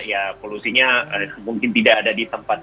karena ya polusinya mungkin tidak ada di tempat